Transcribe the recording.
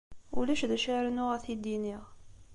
Ulac d acu ara rnuɣ ad t-id-iniɣ.